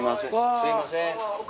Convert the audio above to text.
すいません。